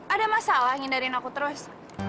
ada masalah ngindarin aku terus